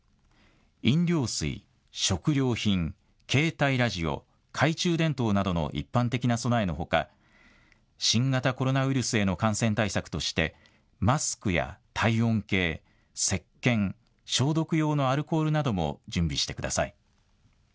飲料水、食料品、携帯ラジオ、懐中電灯などの一般的な備えのほか、新型コロナウイルスへの感染対策としてマスクや体温計、せっけん、消毒用のアルコールなども準備してください。